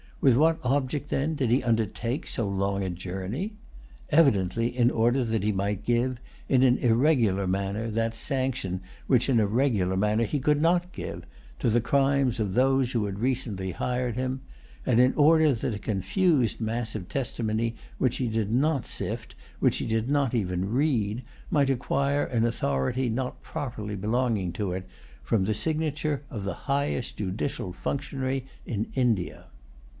With what object, then, did he undertake so long a journey? Evidently in order that he might give, in an irregular manner, that sanction which in a regular manner he could not give, to the crimes of those who had recently hired him; and in order that a confused mass of testimony which he did not sift, which he did not even read, might acquire an authority not properly belonging to it, from the signature of the highest judicial functionary in India.